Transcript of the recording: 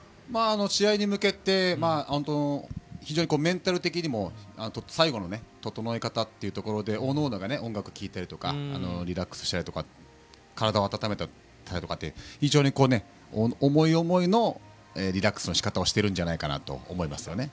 試合に向けてメンタル的にも最後の整え方というところでおのおのが音楽を聴いたりリラックスしたりとか体を温めたりとか非常に思い思いのリラックスのしかたをしていると思いますね。